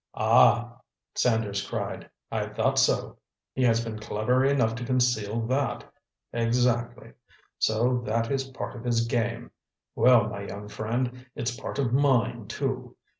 "Ah!" Sanders cried, "I thought so! He has been clever enough to conceal that. Exactly. So that is part of his game! Well, my young friend, it's part of mine, too.